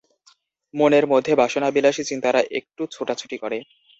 মনের মধ্যে বাসনাবিলাসী চিন্তারা একটু ছোটাছুটি করে।